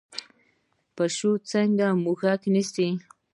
پیشو څنګه موږک نیسي؟